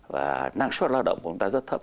và năng suất lao động của chúng ta rất thấp